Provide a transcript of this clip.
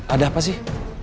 ada apa sih